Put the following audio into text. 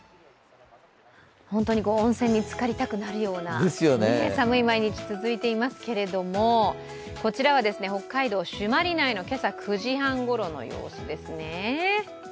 本当に温泉につかりたくなるような、寒い毎日続いていますけどこちらは北海道朱鞠内の今朝９時半ごろの様子ですね。